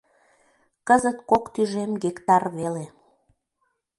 Кызыт кок тӱжем гектар веле.